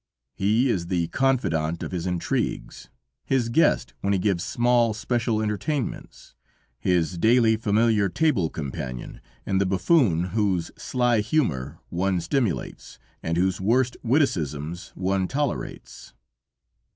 He is the confidant of his intrigues, his guest when he gives small, special entertainments, his daily familiar table companion, and the buffoon whose sly humor one stimulates, and whose worst witticisms one tolerates."